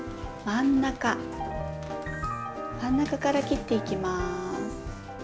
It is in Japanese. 真ん中から切っていきます。